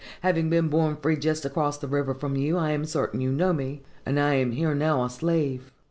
Having been born free just across the river from you, I am certain you know me; and I am here now a slave.